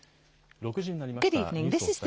６時になりました。